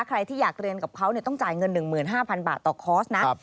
ใครที่อยากเรียนกับเขาต้องจ่ายเงิน๑๕๐๐บาทต่อคอร์สนะ